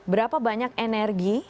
berapa banyak energi